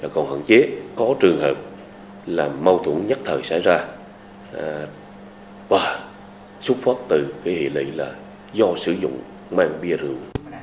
còn hẳn chế có trường hợp là mâu thuẫn nhất thời xảy ra và xuất phát từ hệ lệ do sử dụng mang bia rượu